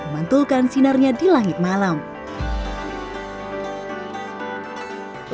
menunggu dan maet maksudnya yang tepat yang kita lakukan yang baik lah